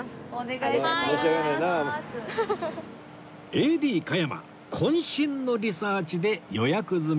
ＡＤ 加山渾身のリサーチで予約済み